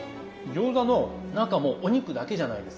餃子の中もお肉だけじゃないですか。